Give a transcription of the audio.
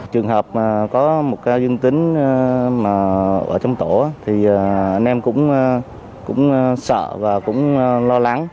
trường hợp mà có một ca dương tính ở trong tổ thì anh em cũng sợ và cũng lo lắng